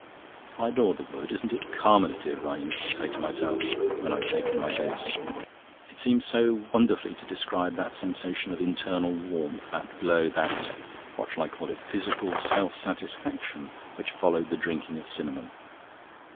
I adored the word. 'Isn't it carminative?' I used to say to myself when I'd taken my dose. It seemed so wonderfully to describe that sensation of internal warmth, that glow, that what shall I call it? physical self satisfaction which followed the drinking of cinnamon.